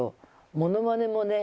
ものまねもね